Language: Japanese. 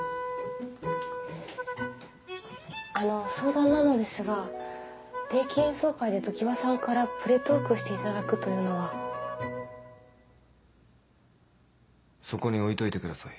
あの相談なのですが定期演奏会で常葉さんからプレトークしていただくというのは。そこに置いといてください。